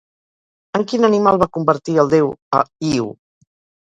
En quin animal va convertir el déu a Io?